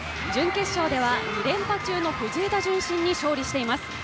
準決勝では２連覇中の藤枝順心に勝利しています。